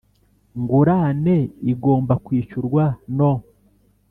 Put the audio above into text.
Ngurane igomba kwishyurwa no